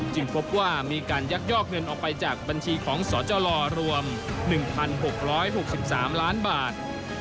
พบว่ามีการยักยอกเงินออกไปจากบัญชีของสจรวม๑๖๖๓ล้านบาท